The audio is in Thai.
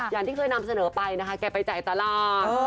อย่างที่เคยนำเสนอไปนะคะแกไปจ่ายตลาด